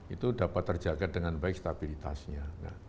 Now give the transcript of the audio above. itu dapat terjaga dengan baik stabilitasnya